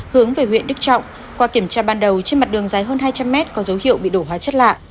hướng về huyện đức trọng qua kiểm tra ban đầu trên mặt đường dài hơn hai trăm linh mét có dấu hiệu bị đổ hóa chất lạ